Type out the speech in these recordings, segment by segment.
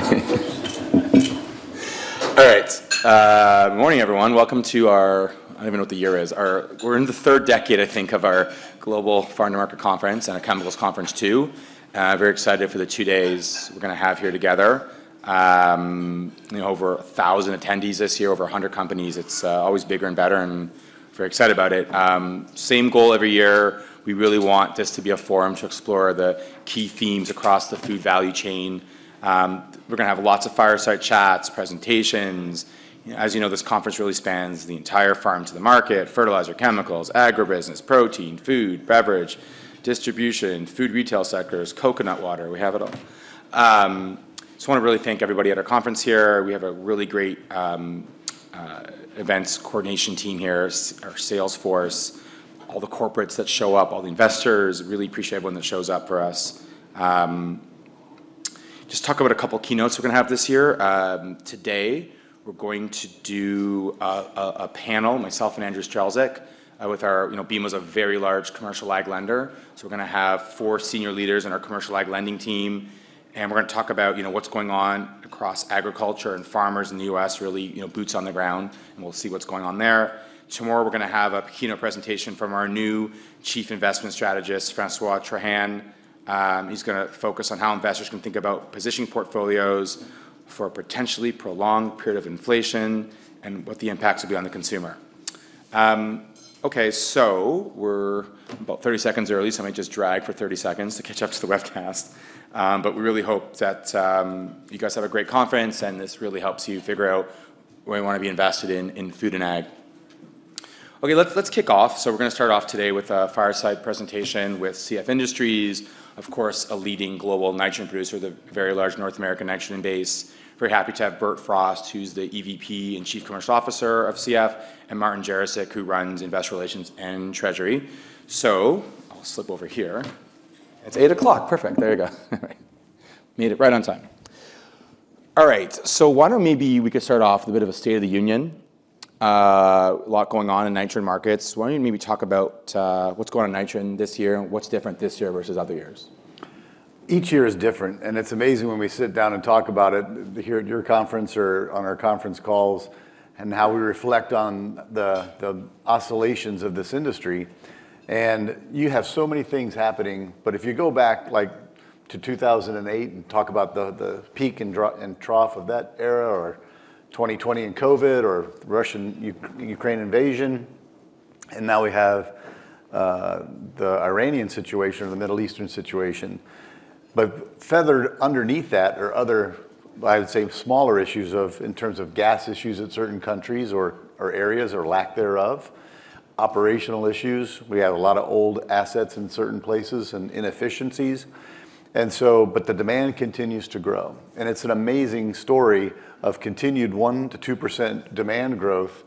Morning. All right. Morning, everyone. Welcome to our, I don't even know what the year is. We're in the third decade, I think, of our Global Farm to Market Conference, and our Chemicals Conference too. Very excited for the two days we're gonna have here together. You know, over 1,000 attendees this year, over 100 companies. It's always bigger and better, and very excited about it. Same goal every year. We really want this to be a forum to explore the key themes across the food value chain. We're gonna have lots of fireside chats, presentations. As you know, this conference really spans the entire farm to the market, fertilizer, chemicals, agribusiness, protein, food, beverage, distribution, food retail sectors, coconut water. We have it all. Just wanna really thank everybody at our conference here. We have a really great events coordination team here, our sales force, all the corporates that show up, all the investors. Really appreciate everyone that shows up for us. Just talk about a couple keynotes we're gonna have this year. Today we're going to do a panel, myself and Andrew Strelzik, with our you know, BMO's a very large commercial ag lender, so we're gonna have four senior leaders in our commercial ag lending team, and we're gonna talk about, you know, what's going on across agriculture and farmers in the U.S. really, you know, boots on the ground, and we'll see what's going on there. Tomorrow we're gonna have a keynote presentation from our new Chief Investment Strategist, François Trahan. He's going to focus on how investors can think about positioning portfolios for a potentially prolonged period of inflation, and what the impacts will be on the consumer. Okay, we're about 30 seconds early, so I might just drag for 30 seconds to catch up to the webcast. We really hope that you guys have a great conference and this really helps you figure out where you want to be invested in food and ag. Okay, let's kick off. We're going to start off today with a fireside presentation with CF Industries, of course, a leading global nitrogen producer with a very large North American nitrogen base. Very happy to have Bert Frost, who's the EVP and Chief Commercial Officer of CF, and Martin Jarosick, who runs Investor Relations and Treasury. I'll slip over here. It's 8:00, perfect. There you go. All right. Made it right on time. All right, why don't maybe we could start off with a bit of a state of the union. A lot going on in nitrogen markets. Why don't you maybe talk about what's going on in nitrogen this year, and what's different this year versus other years? Each year is different. It's amazing when we sit down and talk about it, here at your conference or on our conference calls, how we reflect on the oscillations of this industry. You have so many things happening. If you go back, like, to 2008 and talk about the peak and trough of that era, or 2020 and COVID, or Russian-Ukraine invasion, now we have the Iranian situation or the Middle Eastern situation. Feathered underneath that are other, I would say, smaller issues of, in terms of gas issues in certain countries or areas or lack thereof, operational issues. We have a lot of old assets in certain places, and inefficiencies. The demand continues to grow, and it's an amazing story of continued 1%-2% demand growth,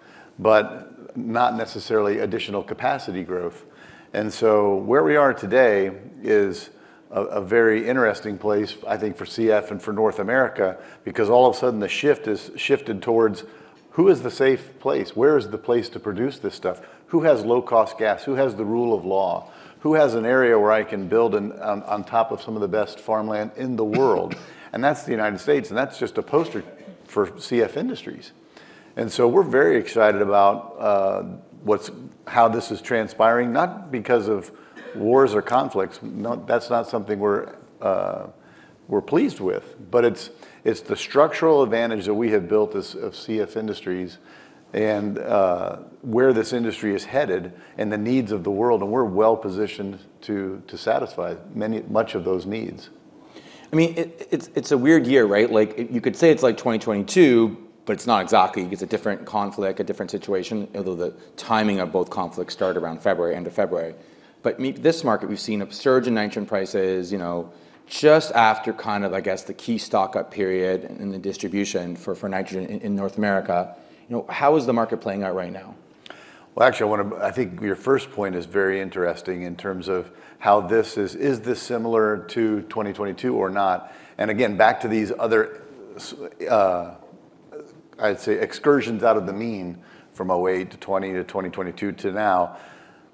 not necessarily additional capacity growth. Where we are today is a very interesting place, I think, for CF and for North America, because all of a sudden the shift has shifted towards who is the safe place? Where is the place to produce this stuff? Who has low-cost gas? Who has the rule of law? Who has an area where I can build on top of some of the best farmland in the world? That's the United States, and that's just a poster for CF Industries. We're very excited about how this is transpiring, not because of wars or conflicts. No, that's not something we're pleased with. It's the structural advantage that we have built of CF Industries, and where this industry is headed and the needs of the world, and we're well-positioned to satisfy much of those needs. I mean, it's a weird year, right? Like, you could say it's like 2022, it's not exactly. It's a different conflict, a different situation, although the timing of both conflicts start around February, end of February. This market, we've seen a surge in nitrogen prices, you know, just after kind of, I guess, the key stock-up period in the distribution for nitrogen in North America. You know, how is the market playing out right now? Well, actually I wanna I think your first point is very interesting in terms of how this is similar to 2022 or not? Again, back to these other I'd say excursions out of the mean from 2008 to 2020 to 2022 to now,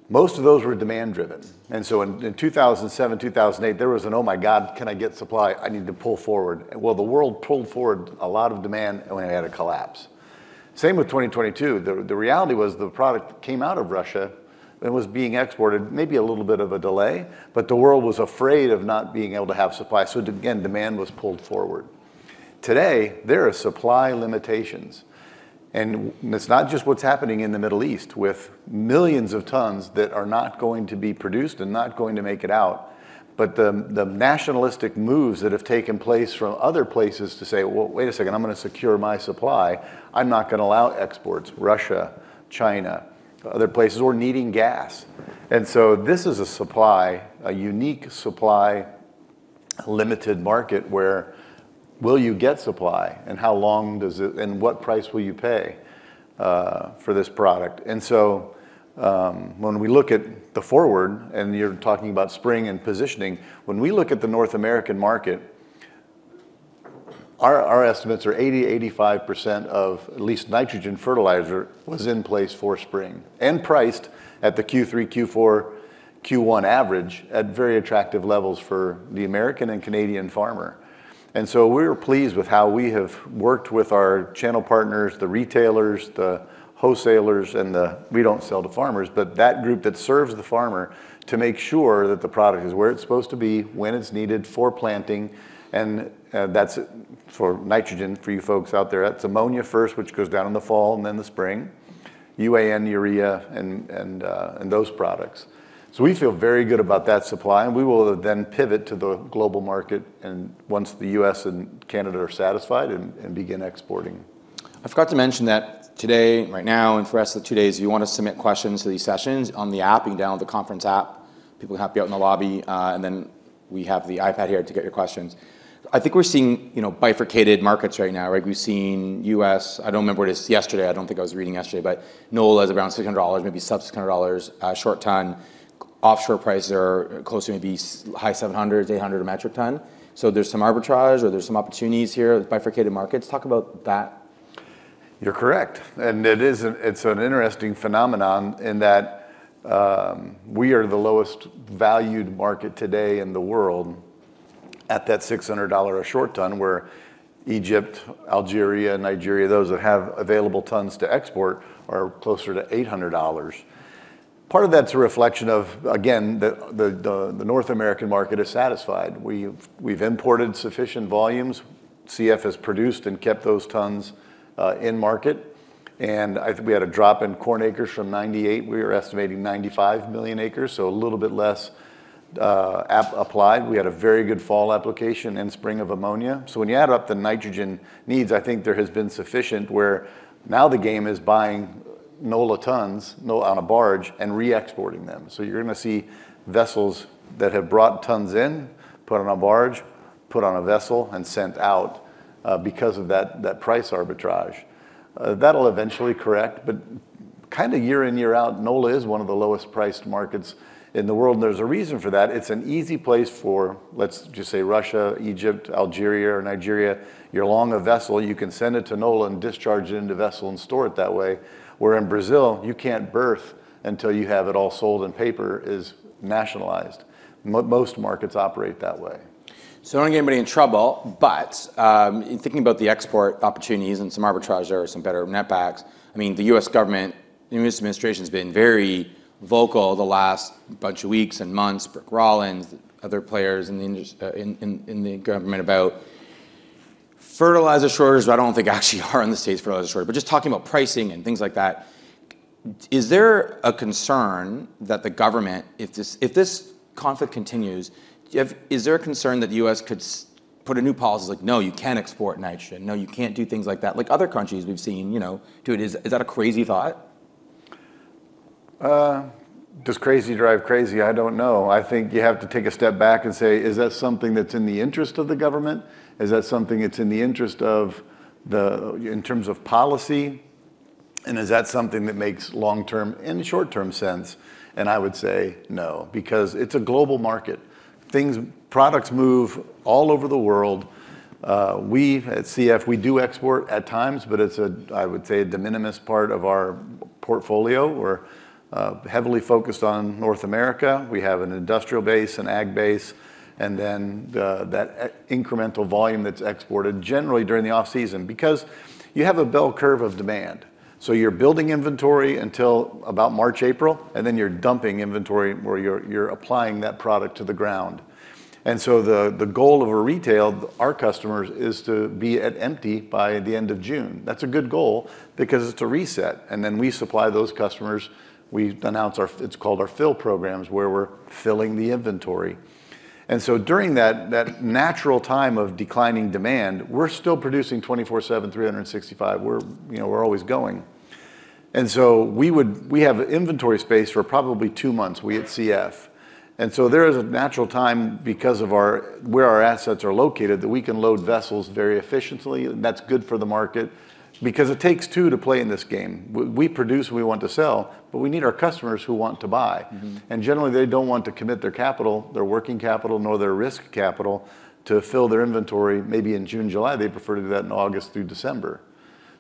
most of those were demand-driven. In 2007, 2008, there was an, "Oh, my God. Can I get supply? I need to pull forward." Well, the world pulled forward a lot of demand and we had a collapse. Same with 2022. The reality was the product came out of Russia and was being exported, maybe a little bit of a delay, but the world was afraid of not being able to have supply, so again, demand was pulled forward. Today, there are supply limitations, it's not just what's happening in the Middle East with millions of tons that are not going to be produced and not going to make it out, but the nationalistic moves that have taken place from other places to say, "Well, wait a second. I'm gonna secure my supply. I'm not gonna allow exports," Russia, China, other places, or needing gas. This is a supply, a unique supply, limited market where will you get supply, and how long does it, and what price will you pay for this product? When we look at the forward, and you're talking about spring and positioning, when we look at the North American market. Our estimates are 80%-85% of at least nitrogen fertilizer was in place for spring, and priced at the Q3, Q4, Q1 average at very attractive levels for the American and Canadian farmer. We were pleased with how we have worked with our channel partners, the retailers, the wholesalers, and We don't sell to farmers, but that group that serves the farmer to make sure that the product is where it's supposed to be, when it's needed for planting. That's for nitrogen, for you folks out there, that's ammonia first, which goes down in the fall, and then the spring. UAN, urea and those products. We feel very good about that supply, and we will then pivot to the global market and once the U.S. and Canada are satisfied and begin exporting. I forgot to mention that today, right now, and for the rest of the two days, if you wanna submit questions to these sessions on the app, you can download the conference app. People will be happy to help you out in the lobby. Then we have the iPad here to get your questions. I think we're seeing, you know, bifurcated markets right now, right? We've seen U.S. I don't remember what it is yesterday, I don't think I was reading yesterday, NOLA is around $600, maybe sub $600 a short ton. Offshore prices are closer to maybe high $700s, $800 a metric ton. There's some arbitrage or there's some opportunities here with bifurcated markets. Talk about that. You're correct, and it's an interesting phenomenon in that, we are the lowest valued market today in the world at that $600 a short ton, where Egypt, Algeria, Nigeria, those that have available tons to export, are closer to $800. Part of that's a reflection of, again, the North American market is satisfied. We've imported sufficient volumes. CF has produced and kept those tons in market. I think we had a drop in corn acres from 98. We were estimating 95 million acres, so a little bit less applied. We had a very good fall application and spring of ammonia. When you add up the nitrogen needs, I think there has been sufficient, where now the game is buying NOLA tons on a barge, and re-exporting them. You're gonna see vessels that have brought tons in, put on a barge, put on a vessel, and sent out, because of that price arbitrage. That'll eventually correct, but kinda year in, year out, NOLA is one of the lowest priced markets in the world, and there's a reason for that. It's an easy place for, let's just say Russia, Egypt, Algeria, Nigeria. You're along a vessel, you can send it to NOLA and discharge it into vessel and store it that way, where in Brazil, you can't berth until you have it all sold and paper is nationalized. Most markets operate that way. I don't wanna get anybody in trouble, but, in thinking about the export opportunities and some arbitrage or some better netbacks, I mean, the U.S. government, the new administration's been very vocal the last bunch of weeks and months, Brooke Rollins, other players in the government about fertilizer shortages, that I don't think actually are in the States, fertilizer shortage, but just talking about pricing and things like that. Is there a concern that the government, if this, if this conflict continues, Is there a concern that the U.S. could put a new policy, like, "No, you can't export nitrogen. No, you can't do things like that." Like other countries we've seen, you know, do it. Is that a crazy thought? Does crazy drive crazy? I don't know. I think you have to take a step back and say, "Is that something that's in the interest of the government? Is that something that's in the interest of the in terms of policy? And is that something that makes long-term and short-term sense?" I would say no, because it's a global market. Things, products move all over the world. We've, at CF, we do export at times, but it's a, I would say, a de minimis part of our portfolio. We're heavily focused on North America. We have an industrial base, an ag base, and then that incremental volume that's exported generally during the off-season because you have a bell curve of demand. You're building inventory until about March, April, and then you're dumping inventory, or you're applying that product to the ground. The goal of a retail, our customers, is to be at empty by the end of June. That's a good goal because it's a reset. We supply those customers. We announce our fill programs, where we're filling the inventory. During that natural time of declining demand, we're still producing 24/7, 365. We're, you know, we're always going. We have inventory space for probably 2 months, we at CF. There is a natural time because of our assets are located, that we can load vessels very efficiently, and that's good for the market because it takes 2 to play in this game. We produce and we want to sell, but we need our customers who want to buy. Generally, they don't want to commit their capital, their working capital, nor their risk capital, to fill their inventory maybe in June, July. They'd prefer to do that in August through December.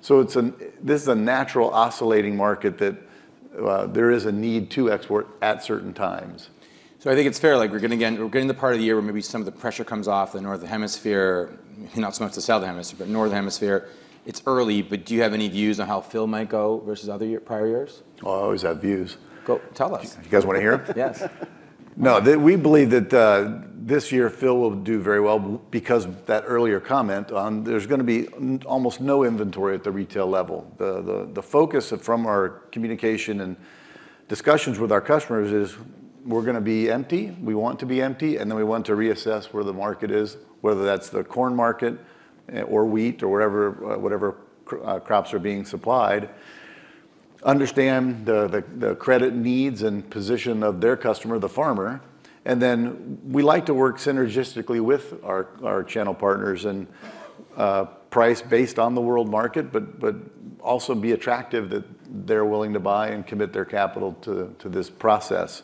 This is a natural oscillating market that there is a need to export at certain times. I think it's fair, like we're getting to the part of the year where maybe some of the pressure comes off the Northern Hemisphere, you know, not so much the Southern Hemisphere, but Northern Hemisphere. It's early, but do you have any views on how fill might go versus other year, prior years? Oh, I always have views. Go, tell us. You guys wanna hear them? Yes. No, they, we believe that, this year fill will do very well because of that earlier comment on there's gonna be almost no inventory at the retail level. The focus of, from our communication and discussions with our customers is we're gonna be empty, we want to be empty, and then we want to reassess where the market is, whether that's the corn market, or wheat, or whatever crops are being supplied. Understand the credit needs and position of their customer, the farmer, and then we like to work synergistically with our channel partners and price based on the world market, but also be attractive that they're willing to buy and commit their capital to this process.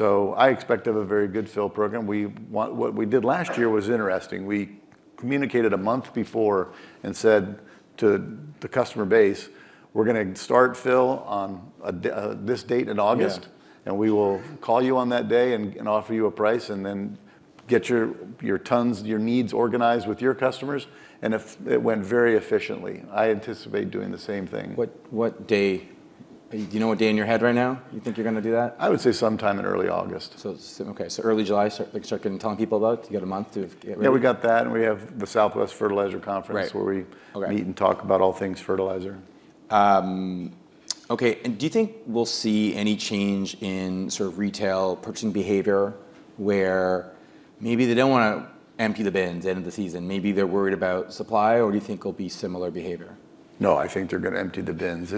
I expect to have a very good fill program. What we did last year was interesting. We communicated a month before and said to the customer base, "We're gonna start fill on this date in August. Yeah. We will call you on that day and offer you a price, and then get your tons, your needs organized with your customers. If it went very efficiently. I anticipate doing the same thing. What day do you know what day in your head right now you think you're gonna do that? I would say sometime in early August. okay, so early July, like, starting telling people about it, so you got a month to get ready. Yeah, we got that, and we have the Southwestern Fertilizer Conference. Right. Okay where we meet and talk about all things fertilizer. Okay, do you think we'll see any change in sort of retail purchasing behavior where maybe they don't wanna empty the bins end of the season, maybe they're worried about supply, or do you think it'll be similar behavior? No, I think they're gonna empty the bins.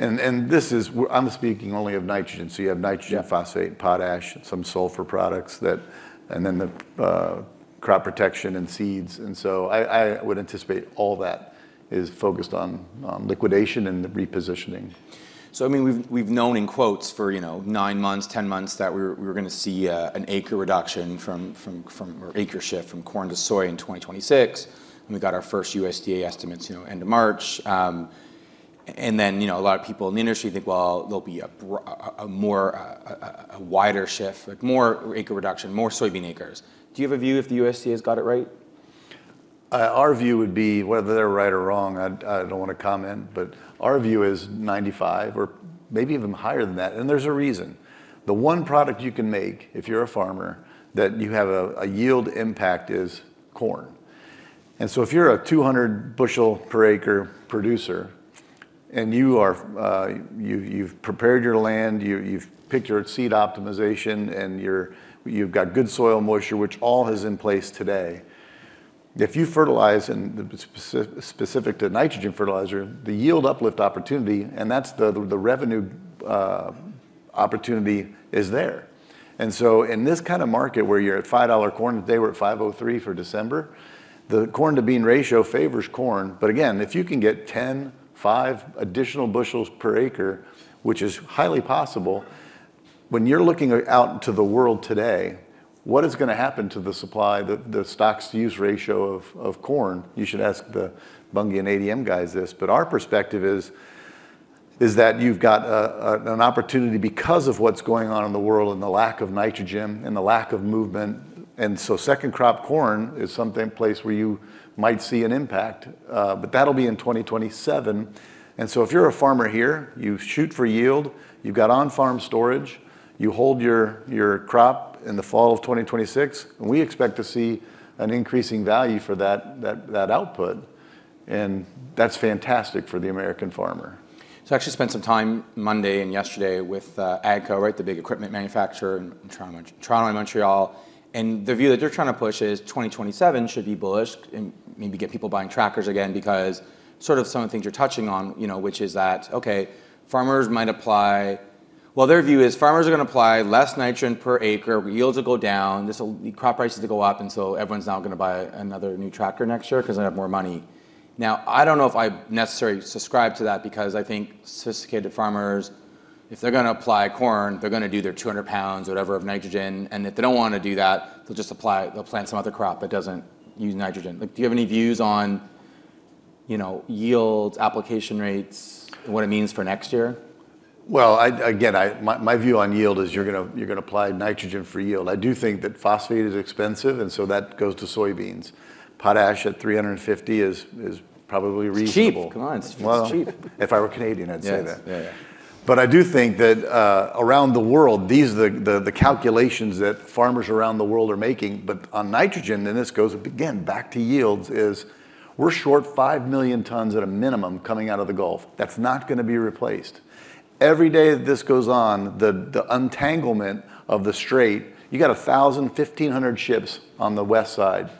I'm speaking only of nitrogen. you have nitrogen- Yeah. Phosphate, potash, some sulfur products that, and then the crop protection and seeds, I would anticipate all that is focused on liquidation and the repositioning. I mean, we've known in quotes for, you know, 9 months, 10 months that we were gonna see an acre reduction from or acre shift from corn to soy in 2026, and we got our first USDA estimates, you know, end of March. And then, you know, a lot of people in the industry think, "Well, there'll be a more, a wider shift, like, more acre reduction, more soybean acres." Do you have a view if the USDA's got it right? Our view would be, whether they're right or wrong, I don't wanna comment, but our view is 95 or maybe even higher than that. There's a reason. The one product you can make if you're a farmer that you have a yield impact is corn. If you're a 200 bushel per acre producer, and you've prepared your land, you've picked your seed optimization, and you've got good soil moisture, which all is in place today, if you fertilize, and specific to nitrogen fertilizer, the yield uplift opportunity, and that's the revenue opportunity is there. In this kind of market where you're at $5 corn, today we're at $5.03 for December, the corn-to-soybean ratio favors corn. Again, if you can get 10, 5 additional bushels per acre, which is highly possible, when you're looking out into the world today, what is going to happen to the supply, the stocks-to-use ratio of corn? You should ask the Bunge and ADM guys this. Our perspective is that you've got an opportunity because of what's going on in the world and the lack of nitrogen and the lack of movement. Second crop corn is something, place where you might see an impact, but that'll be in 2027. If you're a farmer here, you shoot for yield, you've got on-farm storage, you hold your crop in the fall of 2026, and we expect to see an increasing value for that output, and that's fantastic for the American farmer. I actually spent some time Monday and yesterday with AGCO, right, the big equipment manufacturer, in Toronto and Montreal, and the view that they're trying to push is 2027 should be bullish and maybe get people buying tractors again because sort of some of the things you're touching on, you know, which is that, okay, farmers might apply. Well, their view is farmers are gonna apply less nitrogen per acre, yields will go down. This'll crop prices will go up. Everyone's now gonna buy another new tractor next year because they're gonna have more money. I don't know if I necessarily subscribe to that because I think sophisticated farmers, if they're gonna apply corn, they're gonna do their 200 pounds or whatever of nitrogen. If they don't wanna do that, they'll just apply, they'll plant some other crop that doesn't use nitrogen. Like, do you have any views on, you know, yields, application rates, and what it means for next year? My view on yield is you're gonna apply nitrogen for yield. I do think that phosphate is expensive, that goes to soybeans. Potash at $350 is probably reasonable. It's cheap. Come on, it's cheap. Well, if I were Canadian, I'd say that. Yes. Yeah, yeah. I do think that, around the world, the calculations that farmers around the world are making, but on nitrogen, and this goes, again, back to yields, is we're short 5 million tons at a minimum coming out of the Gulf. That's not going to be replaced. Every day that this goes on, the untanglement of the strait, you got 1,000, 1,500 ships on the west side.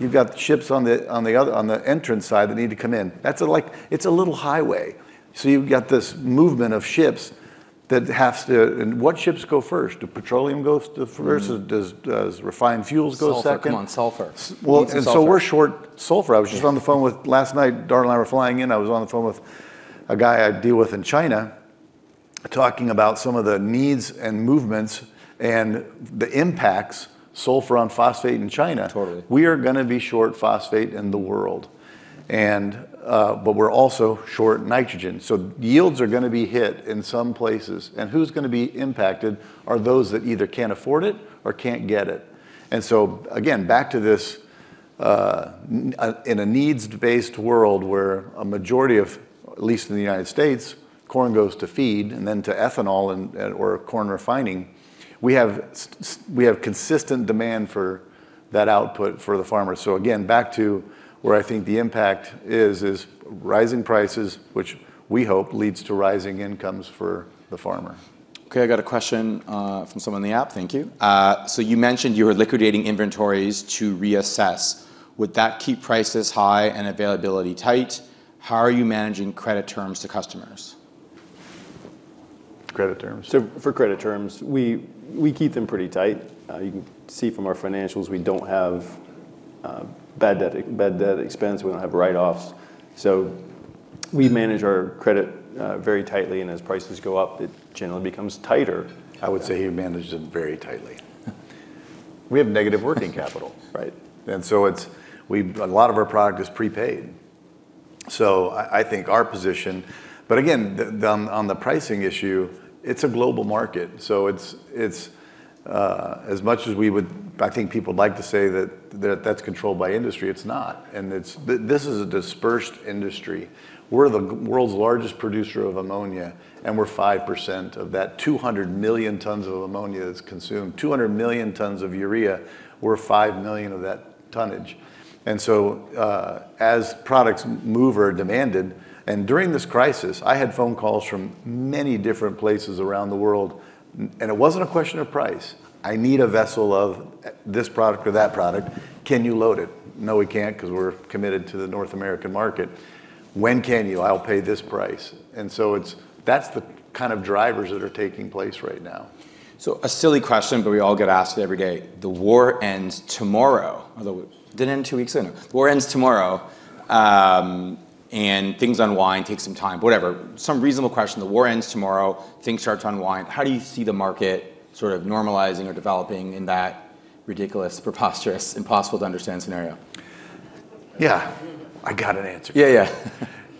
You've got ships on the other, on the entrance side that need to come in. That's like, it's a little highway. You've got this movement of ships that has to. What ships go first? Do petroleum go first? Does refined fuels go second? Sulfur. Come on, sulfur. Well, we're short sulfur. Yeah. Last night, Darl and I were flying in, I was on the phone with a guy I deal with in China, talking about some of the needs and movements and the impacts, sulfur on phosphate in China. Totally. We are gonna be short phosphate in the world, but we're also short nitrogen, so yields are gonna be hit in some places. Who's gonna be impacted are those that either can't afford it or can't get it. Again, back to this, in a needs-based world where a majority of, at least in the United States, corn goes to feed and then to ethanol and, or corn refining, we have consistent demand for that output for the farmer. Again, back to where I think the impact is rising prices, which we hope leads to rising incomes for the farmer. Okay, I got a question from someone in the app. Thank you. You mentioned you were liquidating inventories to reassess. Would that keep prices high and availability tight? How are you managing credit terms to customers? Credit terms. For credit terms, we keep them pretty tight. You can see from our financials we don't have bad debt expense, we don't have write-offs. We manage our credit very tightly, and as prices go up, it generally becomes tighter. I would say he manages it very tightly. We have negative working capital. Right. A lot of our product is prepaid, so I think our position. Again, on the pricing issue, it's a global market, so it's as much as we would I think people like to say that that that's controlled by industry, it's not. This is a dispersed industry. We're the world's largest producer of ammonia, and we're 5% of that 200 million tons of ammonia that's consumed. 200 million tons of urea, we're 5 million of that tonnage. As products move or are demanded. During this crisis, I had phone calls from many different places around the world, and it wasn't a question of price. I need a vessel of this product or that product, can you load it? No, we can't, because we're committed to the North American market. When can you? I'll pay this price. That's the kind of drivers that are taking place right now. A silly question, but we all get asked every day. The war ends tomorrow, although it did end 2 weeks ago. War ends tomorrow, and things unwind, take some time, whatever. Some reasonable question. The war ends tomorrow, things start to unwind. How do you see the market sort of normalizing or developing in that ridiculous, preposterous, impossible to understand scenario? Yeah. I got an answer. Yeah, yeah.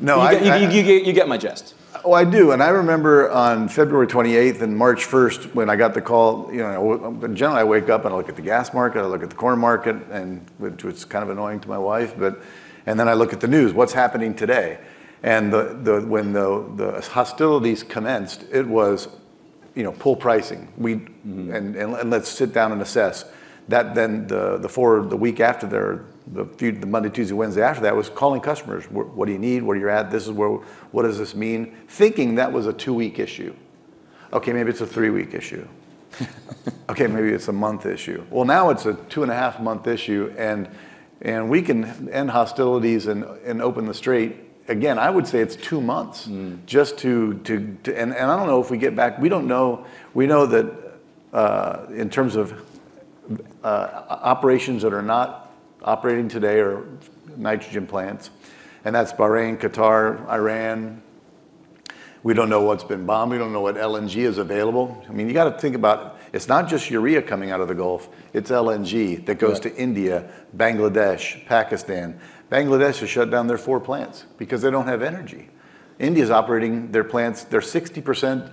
No, I- You get my gist. Oh, I do. I remember on February 28th and March 1st when I got the call. You know, in general I wake up and I look at the gas market, I look at the corn market, and which it's kind of annoying to my wife, but then I look at the news, what's happening today. When the hostilities commenced, it was, you know, pull pricing. Let's sit down and assess. The Monday, Tuesday, Wednesday after that was calling customers. What do you need? Where are you at? What does this mean? Thinking that was a 2-week issue. Okay, maybe it's a 3-week issue. Okay, maybe it's a month issue. Well, now it's a 2 and a half month issue, and we can end hostilities and open the strait. Again, I would say it's 2 months. We don't know. We know that, in terms of operations that are not operating today are nitrogen plants, and that's Bahrain, Qatar, Iran. We don't know what's been bombed, we don't know what LNG is available. I mean, you got to think about it's not just urea coming out of the Gulf, it's LNG that goes to. Right. India, Bangladesh, Pakistan. Bangladesh has shut down their 4 plants because they don't have energy. India's operating their plants, they're 60%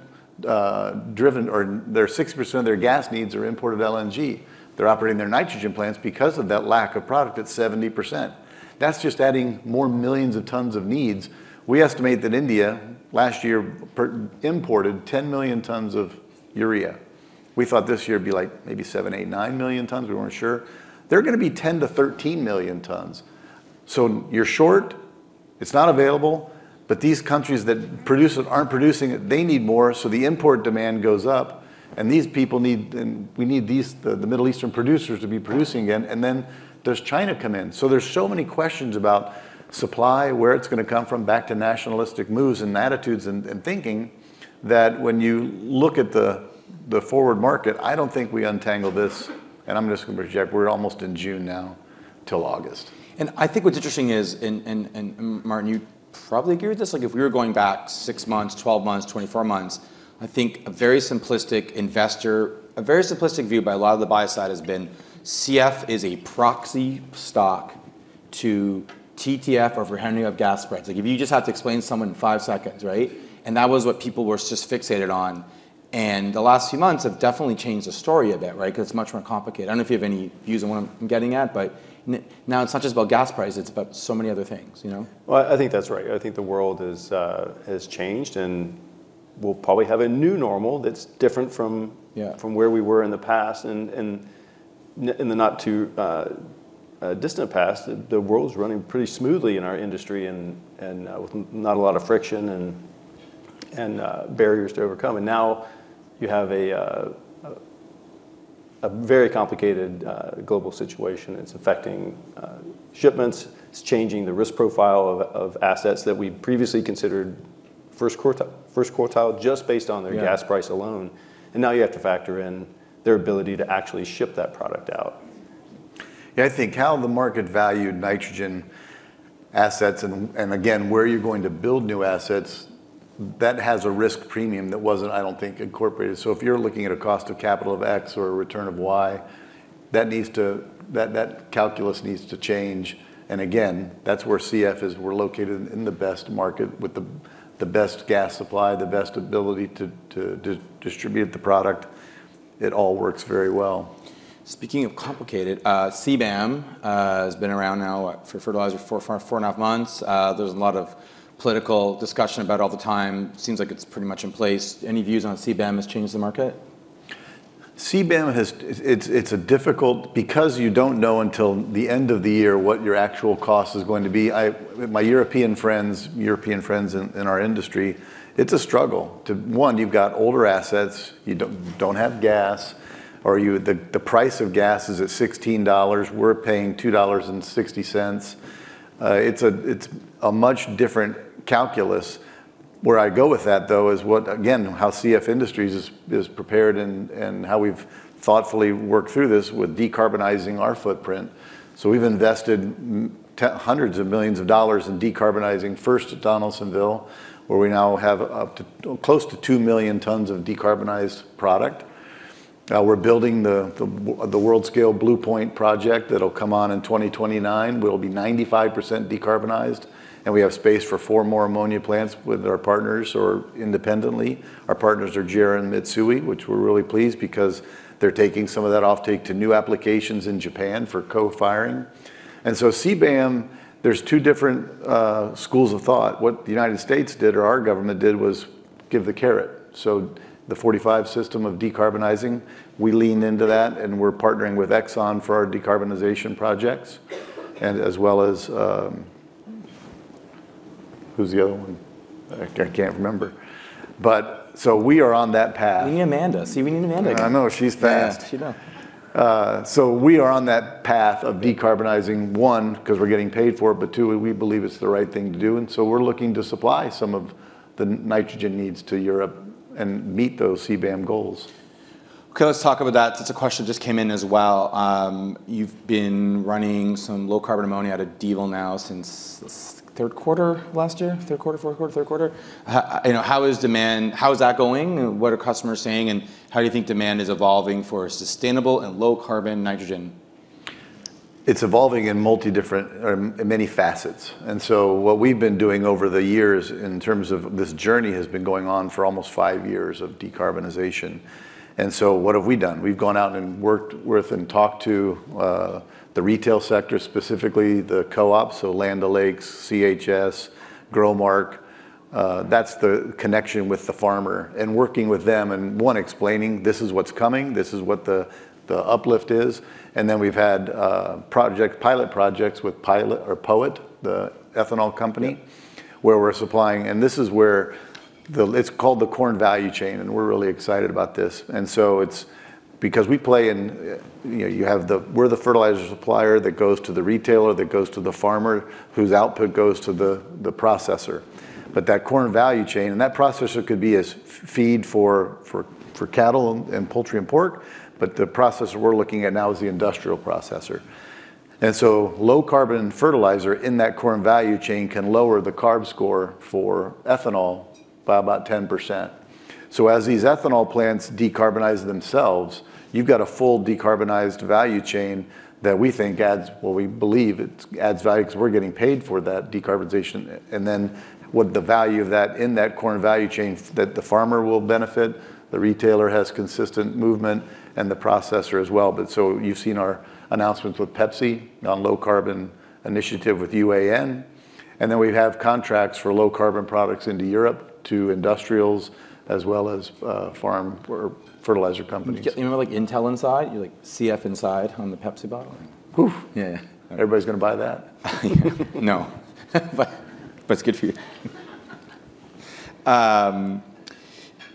driven, or they're 60% of their gas needs are imported LNG. They're operating their nitrogen plants because of that lack of product at 70%. That's just adding more millions of tons of needs. We estimate that India last year imported 10 million tons of urea. We thought this year it'd be like maybe 7 million, 8 million, 9 million tons, we weren't sure. They're gonna be 10 million-13 million tons. You're short, it's not available, but these countries that produce it aren't producing it. They need more, the import demand goes up. These people need, we need these, the Middle Eastern producers to be producing again. Does China come in? There's so many questions about supply, where it's gonna come from, back to nationalistic moves and attitudes and thinking, that when you look at the forward market, I don't think we untangle this, and I'm just gonna project, we're almost in June now, till August. I think what's interesting is, and Martin you'd probably agree with this, like if we were going back 6 months, 12 months, 24 months, I think a very simplistic investor, a very simplistic view by a lot of the buy side has been CF is a proxy stock to TTF or for Henry gas spreads. Like if you just have to explain to someone in 5 seconds, right? That was what people were just fixated on. The last few months have definitely changed the story a bit, right? Because it's much more complicated. I don't know if you have any views on what I'm getting at, but now it's not just about gas prices, it's about so many other things, you know? Well, I think that's right. I think the world has changed. We'll probably have a new normal. Yeah. from where we were in the past. In the not too distant past, the world was running pretty smoothly in our industry and, with not a lot of friction, and barriers to overcome. Now you have a very complicated global situation. It's affecting shipments, it's changing the risk profile of assets that we'd previously considered first quartile just based on their. Yeah. gas price alone. Now you have to factor in their ability to actually ship that product out. Yeah, I think how the market valued nitrogen assets and again, where are you going to build new assets, that has a risk premium that wasn't, I don't think, incorporated. If you're looking at a cost of capital of X or a return of Y, that needs to, that calculus needs to change. Again, that's where CF is. We're located in the best market with the best gas supply, the best ability to distribute the product. It all works very well. Speaking of complicated, CBAM has been around now, what, for fertilizer for four and a half months. There's a lot of political discussion about it all the time. Seems like it's pretty much in place. Any views on how CBAM has changed the market? CBAM. It's a difficult because you don't know until the end of the year what your actual cost is going to be. My European friends in our industry, it's a struggle. To one, you've got older assets, you don't have gas, or the price of gas is at $16, we're paying $2.60. It's a much different calculus. Where I go with that, though, is what, again, how CF Industries is prepared and how we've thoughtfully worked through this with decarbonizing our footprint. We've invested hundreds of millions of dollars in decarbonizing first at Donaldsonville, where we now have up to close to 2 million tons of decarbonized product. Now we're building the world scale Blue Point project that'll come on in 2029. We'll be 95% decarbonized, and we have space for four more ammonia plants with our partners or independently. Our partners are JERA and Mitsui, which we're really pleased because they're taking some of that offtake to new applications in Japan for co-firing. CBAM, there's two different schools of thought. What the U.S. did, or our government did, was give the carrot. The 45Q of decarbonizing, we lean into that, and we're partnering with Exxon for our decarbonization projects. As well as, who's the other one? I can't remember. We are on that path. We need Amanda. See, we need Amanda here. I know she's fast. Fast. She know. We are on that path of decarbonizing, one, 'cause we're getting paid for it, but two, we believe it's the right thing to do, we're looking to supply some of the nitrogen needs to Europe and meet those CBAM goals. Okay, let's talk about that since a question just came in as well. You've been running some low-carbon ammonia out of Donaldsonville now since third quarter last year. Third quarter, fourth quarter, third quarter. you know, how is demand How is that going? What are customers saying, and how do you think demand is evolving for sustainable and low carbon nitrogen? It's evolving in many facets. What we've been doing over the years in terms of this journey has been going on for almost five years of decarbonization. What have we done? We've gone out and worked with and talked to the retail sector, specifically the co-ops, so Land O'Lakes, CHS, GROWMARK. That's the connection with the farmer and working with them and, one, explaining, this is what's coming. This is what the uplift is. We've had pilot projects with POET, the ethanol company. Yeah. where we're supplying. This is where it's called the corn value chain, we're really excited about this. It's because we play in You know, we're the fertilizer supplier that goes to the retailer, that goes to the farmer, whose output goes to the processor. That corn value chain, that processor could be as feed for cattle and poultry and pork, but the processor we're looking at now is the industrial processor. Low carbon fertilizer in that corn value chain can lower the carb score for ethanol by about 10%. As these ethanol plants decarbonize themselves, you've got a full decarbonized value chain that we think adds, or we believe it adds value, 'cause we're getting paid for that decarbonization. Then what the value of that in that corn value chain that the farmer will benefit, the retailer has consistent movement, and the processor as well. You've seen our announcements with Pepsi on Low Carbon Initiative with UAN, and then we have contracts for low carbon products into Europe to industrials as well as, farm or fertilizer companies. You know, like Intel Inside? You like CF Inside on the Pepsi bottle. Oof. Yeah. Everybody's gonna buy that? No. It's good for you.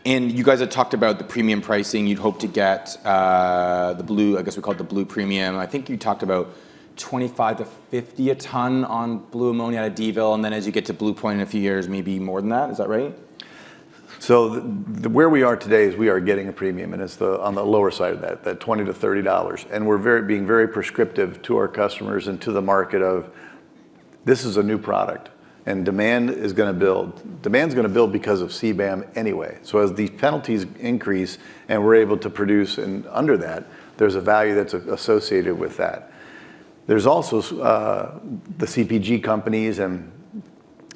You guys had talked about the premium pricing. You'd hope to get the blue premium. I think you talked about $25-$50 a ton on blue ammonia at Donaldsonville, and then as you get to Blue Point in a few years, maybe more than that. Is that right? The where we are today is we are getting a premium, and it's the, on the lower side of that, $20-$30. We're being very prescriptive to our customers and to the market of, this is a new product, and demand is going to build. Demand's going to build because of CBAM anyway. As the penalties increase and we're able to produce and under that, there's a value that's associated with that. There's also the CPG companies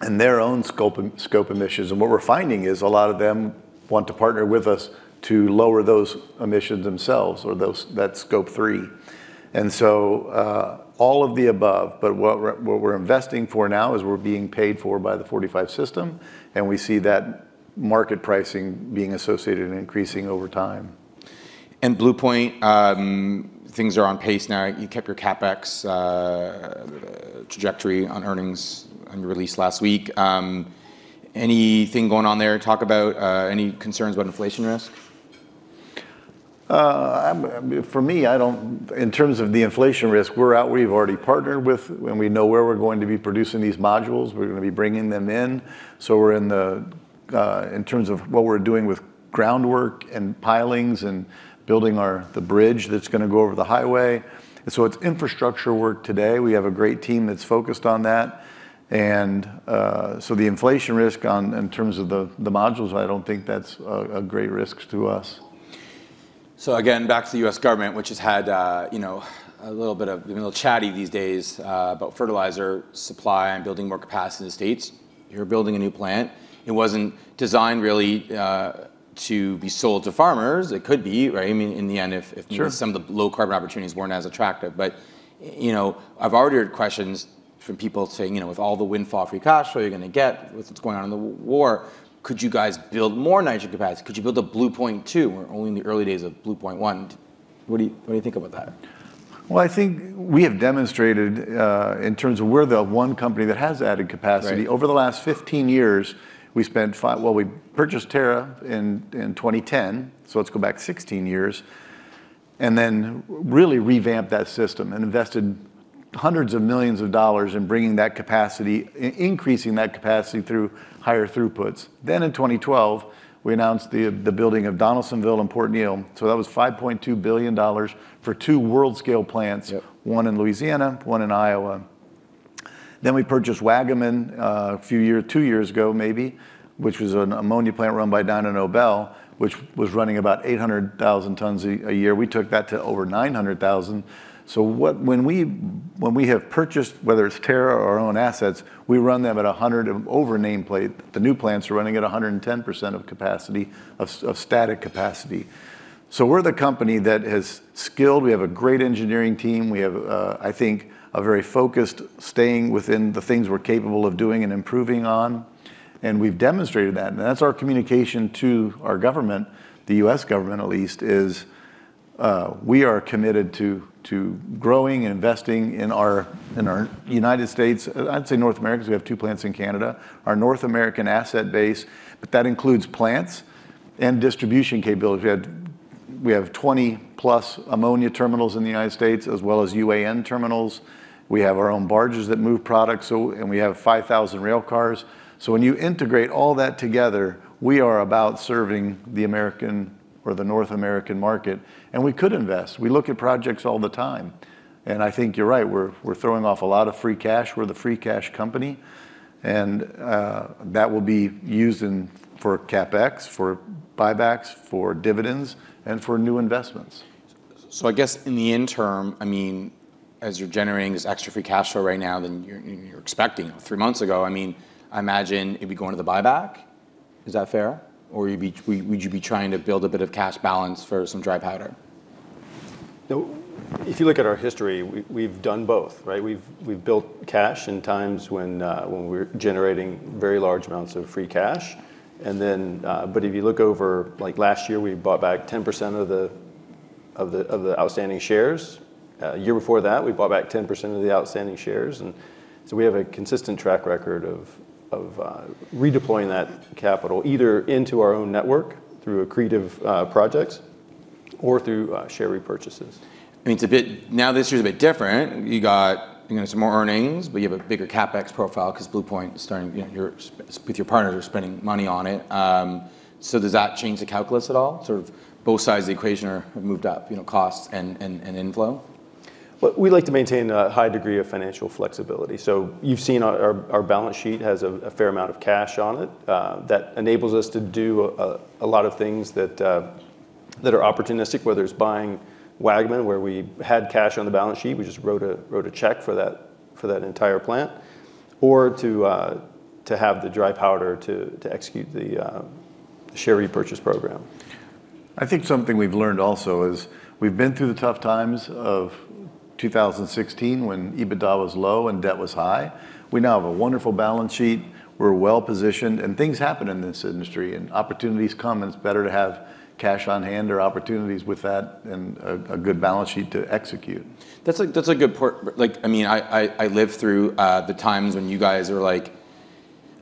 and their own scope emissions, and what we're finding is a lot of them want to partner with us to lower those emissions themselves or those, that Scope 3. All of the above, but what we're investing for now is we're being paid for by the 45Q system, and we see that market pricing being associated and increasing over time. Blue Point, things are on pace now. You kept your CapEx trajectory on earnings on your release last week. Anything going on there, talk about any concerns about inflation risk? I mean, for me, in terms of the inflation risk, we're out. We've already partnered with, and we know where we're going to be producing these modules. We're gonna be bringing them in. We're in terms of what we're doing with groundwork and pilings and building our, the bridge that's gonna go over the highway. It's infrastructure work today. We have a great team that's focused on that. So the inflation risk in terms of the modules, I don't think that's a great risk to us. Again, back to the U.S. government, which has had, you know, been a little chatty these days about fertilizer supply and building more capacity in the U.S. You're building a new plant. It wasn't designed really to be sold to farmers. It could be, right? I mean, in the end. Sure. if maybe some of the low carbon opportunities weren't as attractive. You know, I've already heard questions from people saying, you know, with all the windfall free cash flow you're gonna get, with what's going on in the war, could you guys build more nitrogen capacity? Could you build a Blue Point 2? We're only in the early days of Blue Point 1. What do you think about that? Well, I think we have demonstrated, in terms of we're the one company that has added capacity. Right. Over the last 15 years, we purchased Terra in 2010, so let's go back 16 years. Really revamped that system, and invested hundreds of millions of dollars in bringing that capacity, increasing that capacity through higher throughputs. In 2012, we announced the building of Donaldsonville and Port Neal. That was $5.2 billion for two world scale plants. Yep. 1 in Louisiana, 1 in Iowa. We purchased Waggaman 2 years ago maybe, which was an ammonia plant run by Dyno Nobel, which was running about 800,000 tons a year. When we have purchased, whether it's Terra or our own assets, we run them at 100% over nameplate. The new plants are running at 110% of capacity of static capacity. We're the company that has a great engineering team. We have, I think, a very focused, staying within the things we're capable of doing and improving on, and we've demonstrated that. That's our communication to our government, the U.S. government at least, is, we are committed to growing and investing in our United States, I'd say North America, 'cause we have 2 plants in Canada. Our North American asset base. That includes plants and distribution capability. We have 20 plus ammonia terminals in the United States, as well as UAN terminals. We have our own barges that move product, and we have 5,000 rail cars. When you integrate all that together, we are about serving the American or the North American market. We could invest. We look at projects all the time. I think you're right, we're throwing off a lot of free cash. We're the free cash company. That will be used for CapEx, for buybacks, for dividends, and for new investments. I guess in the interim, I mean, as you're generating this extra free cash flow right now, you're expecting 3 months ago, I mean, I imagine it'd be going to the buyback. Is that fair? Would you be trying to build a bit of cash balance for some dry powder? No, if you look at our history, we've done both. We've built cash in times when we're generating very large amounts of free cash. If you look over, like last year, we bought back 10% of the outstanding shares. Year before that, we bought back 10% of the outstanding shares. We have a consistent track record of redeploying that capital, either into our own network through accretive projects or through share repurchases. I mean, it's a bit, now this year's a bit different. You got, you know, some more earnings, but you have a bigger CapEx profile 'cause Blue Point is starting, you know, with your partners are spending money on it. Does that change the calculus at all? Sort of both sides of the equation have moved up, you know, costs and inflow. We like to maintain a high degree of financial flexibility. You've seen our balance sheet has a fair amount of cash on it. That enables us to do a lot of things that are opportunistic, whether it's buying Waggaman, where we had cash on the balance sheet, we just wrote a check for that entire plant. To have the dry powder to execute the share repurchase program. I think something we've learned also is we've been through the tough times of 2016 when EBITDA was low and debt was high. We now have a wonderful balance sheet. We're well-positioned. Things happen in this industry, and opportunities come, and it's better to have cash on hand or opportunities with that and a good balance sheet to execute. That's a good part. Like, I mean, I lived through the times when you guys are like,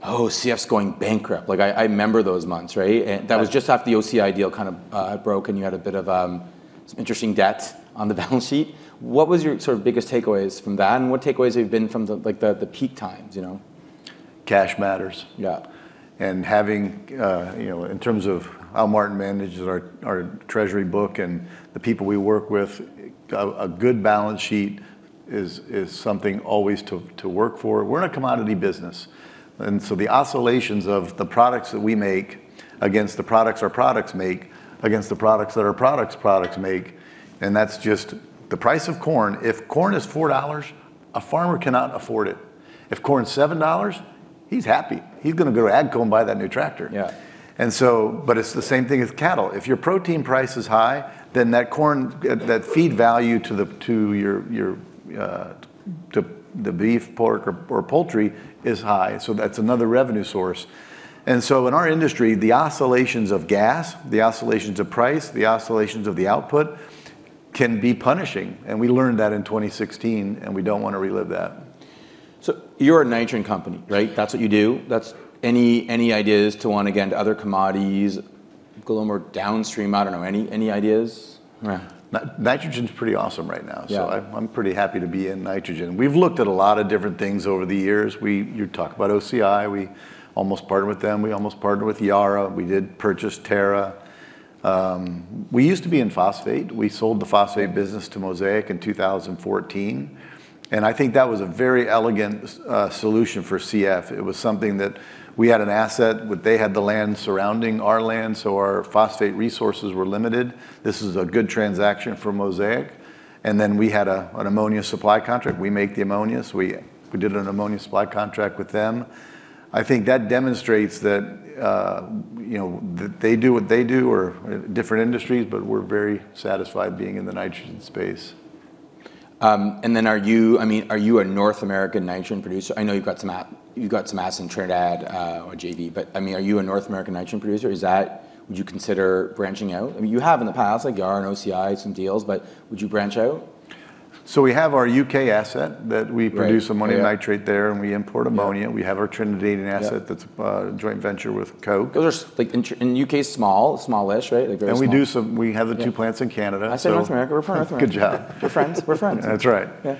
"Oh, CF's going bankrupt." Like I remember those months, right? Yeah. That was just after the OCI deal kind of had broken. You had a bit of some interesting debt on the balance sheet. What was your sort of biggest takeaways from that, and what takeaways have you been from the like the peak times, you know? Cash matters. Yeah. Having, you know, in terms of how Martin manages our treasury book and the people we work with, a good balance sheet is something always to work for. We're in a commodity business. The oscillations of the products that we make against the products our products make, against the products that our products' products make, that's just the price of corn. If corn is $4, a farmer cannot afford it. If corn's $7, he's happy. He's gonna go to AGCO and buy that new tractor. Yeah. It's the same thing as cattle. If your protein price is high, that corn, that feed value to the beef, pork or poultry is high. That's another revenue source. In our industry, the oscillations of gas, the oscillations of price, the oscillations of the output can be punishing, and we learned that in 2016, and we don't want to relive that. You're a nitrogen company, right? That's what you do. Any ideas to want to get into other commodities, go a little more downstream? I don't know. Any ideas? Nah. Nitrogen's pretty awesome right now. Yeah. I'm pretty happy to be in nitrogen. We've looked at a lot of different things over the years. You talk about OCI, we almost partnered with them. We almost partnered with Yara. We did purchase Terra. We used to be in phosphate. We sold the phosphate business to Mosaic in 2014, and I think that was a very elegant solution for CF. It was something that we had an asset, but they had the land surrounding our land, so our phosphate resources were limited. This is a good transaction for Mosaic. We had an ammonia supply contract. We make the ammonia, so we did an ammonia supply contract with them. I think that demonstrates that, you know, they do what they do. We're different industries, but we're very satisfied being in the nitrogen space. Are you, I mean, are you a North American nitrogen producer? I know you've got some assets in Trinidad, or JV, but, I mean, are you a North American nitrogen producer? Is that, would you consider branching out? I mean, you have in the past, like Yara and OCI, some deals, but would you branch out? We have our U.K. asset that. Right, yeah. produce ammonium nitrate there, and we import ammonia. Yeah. We have our Trinidadian asset. Yeah. That's a joint venture with Koch. Those are like in U.K.'s small, smallish, right? They're very small. We have the two plants in Canada. I said North America, we're from North America. Good job. We're friends. We're friends. That's right. Yeah.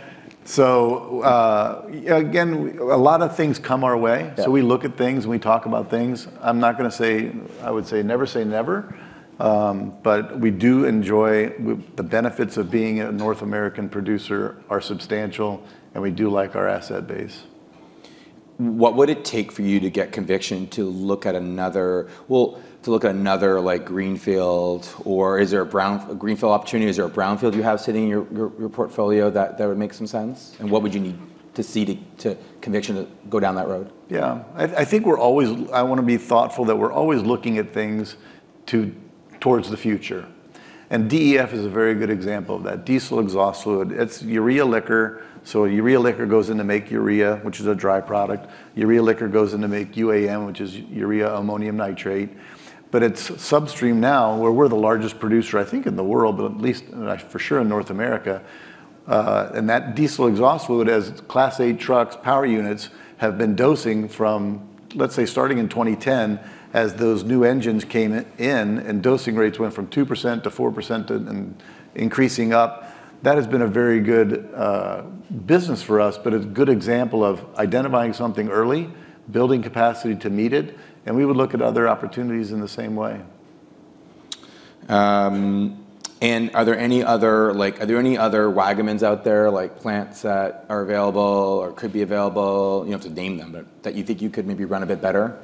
Again, a lot of things come our way. Yeah. We look at things and we talk about things. I'm not gonna say I would say never say never. But we do enjoy the benefits of being a North American producer are substantial, and we do like our asset base. What would it take for you to get conviction to look at another, well, to look at another like greenfield? Is there a greenfield opportunity? Is there a brownfield you have sitting in your portfolio that would make some sense? What would you need to see to conviction to go down that road? Yeah. I think we're always, I wanna be thoughtful that we're always looking at things to, towards the future. DEF is a very good example of that. Diesel Exhaust Fluid. It's urea liquor. Urea liquor goes in to make urea, which is a dry product. Urea liquor goes in to make UAN, which is urea ammonium nitrate. It's substream now, where we're the largest producer, I think, in the world, but at least for sure in North America. That Diesel Exhaust Fluid, as Class 8 trucks' power units have been dosing from, let's say starting in 2010, as those new engines came in, and dosing rates went from 2%-4% and increasing up. That has been a very good business for us. A good example of identifying something early, building capacity to meet it, and we would look at other opportunities in the same way. Are there any other, like, are there any other Waggamans out there, like plants that are available or could be available, you don't have to name them, but that you think you could maybe run a bit better?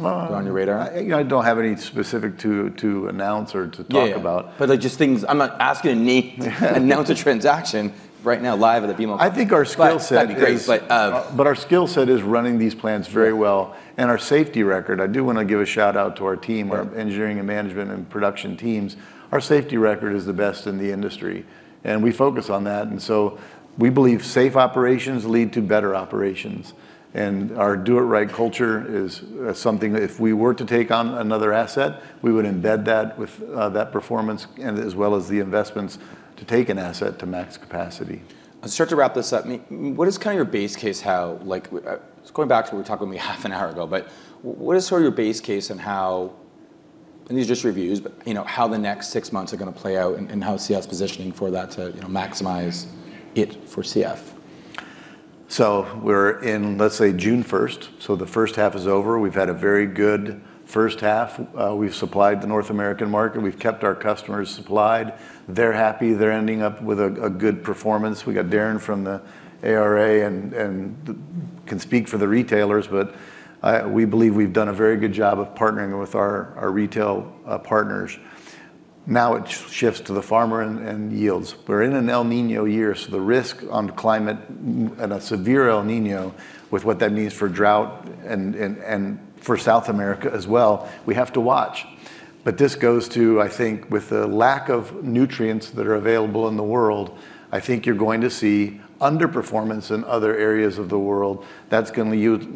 Uh- On your radar? I don't have any specific to announce or to talk about. Yeah, yeah. Like just things, I'm not asking you to name, announce a transaction right now live at the BMO. I think our skill set is- That'd be great. Our skill set is running these plants very well. Yeah. Our safety record, I do want to give a shout-out to our team. Sure our engineering and management and production teams. Our safety record is the best in the industry, we focus on that. We believe safe operations lead to better operations. Our do it right culture is something that if we were to take on another asset, we would embed that with that performance and as well as the investments to take an asset to max capacity. Let's start to wrap this up. What is kind of your base case how, like going back to what we were talking about half an hour ago, but what is sort of your base case and how, and these are just reviews, but you know, how the next six months are gonna play out and how CF's positioning for that to, you know, maximize it for CF? We're in, let's say June 1st, so the first half is over. We've had a very good first half. We've supplied the North American market. We've kept our customers supplied. They're happy. They're ending up with a good performance. We got Daren from the ARA and can speak for the retailers, but we believe we've done a very good job of partnering with our retail partners. Now it shifts to the farmer and yields. We're in an El Niño year, so the risk on climate and a severe El Niño with what that means for drought and for South America as well, we have to watch. This goes to, I think, with the lack of nutrients that are available in the world, I think you're going to see underperformance in other areas of the world. That's gonna yield,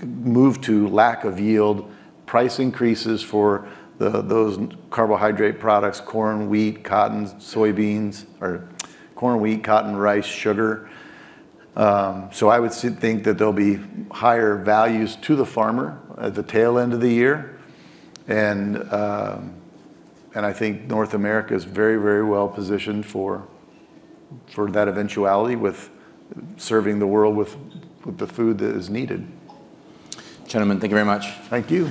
move to lack of yield, price increases for those carbohydrate products, corn, wheat, cotton, soybeans Or corn, wheat, cotton, rice, sugar. I would think that there'll be higher values to the farmer at the tail end of the year. I think North America is very well positioned for that eventuality with serving the world with the food that is needed. Gentlemen, thank you very much. Thank you.